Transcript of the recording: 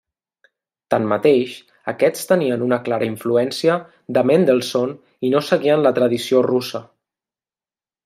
Tanmateix, aquests tenien una clara influència de Mendelssohn i no seguien la tradició russa.